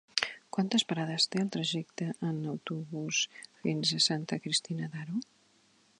Quantes parades té el trajecte en autobús fins a Santa Cristina d'Aro?